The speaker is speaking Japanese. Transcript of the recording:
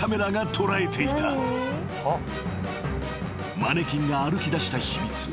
［マネキンが歩きだした秘密。